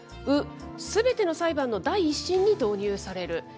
ウ、すべての裁判の第１審に導入される。